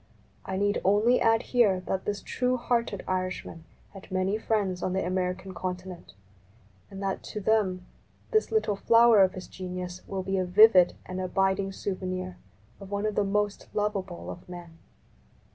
I need only add here that this true hearted Irishman had many friends on the i# American continent, and that to them this little flower of his genius will be a vivid and abiding souvenir of one of the most lovable of men.